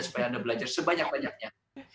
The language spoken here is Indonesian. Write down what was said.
supaya anda belajar sebanyak banyaknya